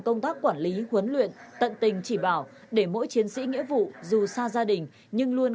công tác quản lý huấn luyện tận tình chỉ bảo để mỗi chiến sĩ nghĩa vụ dù xa gia đình nhưng luôn